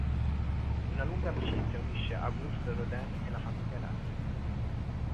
Una lunga amicizia unisce Auguste Rodin e la famiglia Russell.